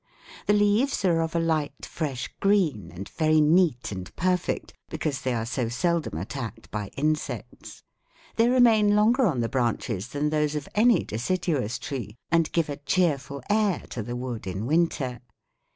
The leaves are of a light, fresh green and very neat and perfect, because they are so seldom attacked by insects; they remain longer on the branches than those of any deciduous tree, and give a cheerful air to the wood in winter.